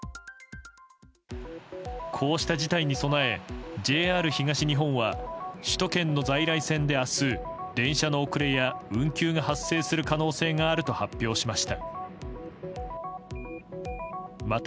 こうした事態に備えＪＲ東日本は首都圏の在来線に明日電車の遅れや運休が発生する可能性があると発表しました。